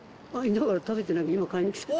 だから、食べてないから、今、買いにきた。